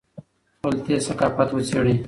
خپل تېر ثقافت وڅېړي